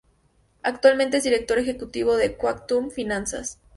Actualmente es director ejecutivo de Quantum Finanzas.